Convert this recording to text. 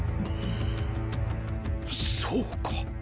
そうか。